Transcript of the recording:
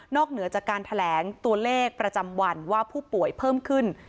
เหนือจากการแถลงตัวเลขประจำวันว่าผู้ป่วยเพิ่มขึ้น